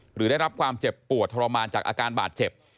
หรือได้รับความเจ็บปวดทรมานจากอาการบาดเจ็บ